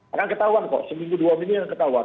akan ketahuan kok seminggu dua minggu yang ketahuan